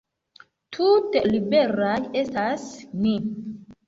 Tute liberaj estas ni!